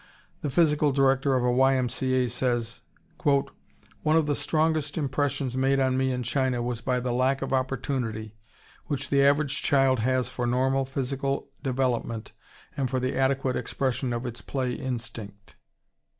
The physical director of a Y. M. C. A. says: "One of the strongest impressions made on me in China was by the lack of opportunity which the average child has for normal physical development and for the adequate expression of its play instinct."